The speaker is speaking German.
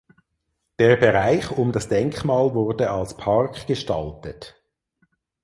Der Bereich um das Denkmal wurde als Park gestaltet.